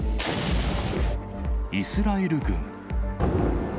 イスラエル軍。